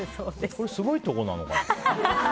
これ、すごいとこなのかな。